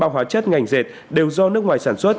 hai trăm bốn mươi ba hóa chất ngành dệt đều do nước ngoài sản xuất